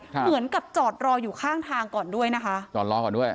เหมือนกับจอดรออยู่ข้างทางก่อนด้วยนะคะจอดรอก่อนด้วย